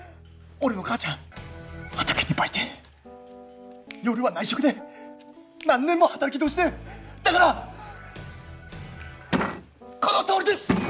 俺の母ちゃん畑に売店夜は内職で何年も働き通しでだからこのとおりです！